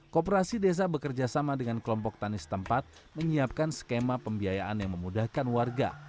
kooperasi desa bekerja sama dengan kelompok tani setempat menyiapkan skema pembiayaan yang memudahkan warga